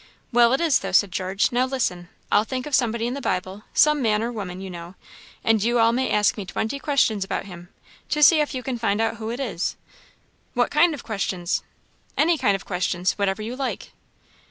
"Well, it is, though," said George. "Now listen; I'll think of somebody in the Bible some man or woman, you know; and you all may ask me twenty questions about him, to see if you can find out who it is." "What kind of questions?" "Any kind of questions whatever you like."